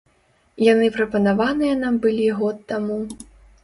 Яны прапанаваныя нам былі год таму.